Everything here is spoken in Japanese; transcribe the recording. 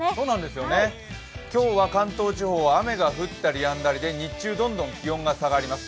今日は、関東地方は雨が降ったりやんだりで、日中どんどん気温が下がります。